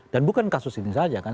dan bukan kasus ini saja kan